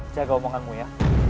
jaga omonganmu ya